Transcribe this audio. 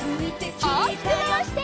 おおきくまわして。